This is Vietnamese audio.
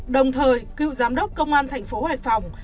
đồng thời cựu giám đốc công an thành phố hải phòng